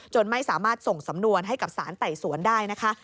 ไม่สามารถส่งสำนวนให้กับสารไต่สวนได้นะคะ